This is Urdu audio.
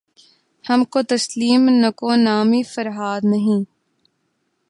ہم کو تسلیم نکو نامیِ فرہاد نہیں